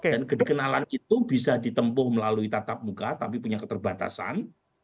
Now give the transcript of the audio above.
kedekenalan itu bisa ditempuh melalui tatap muka tapi punya keterbatasan